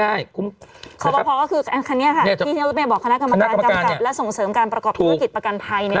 และส่งเสริมการประกอบเมื่อกิจประกันไทย